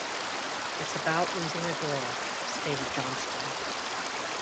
"It's about losing a girl," stated Johnston.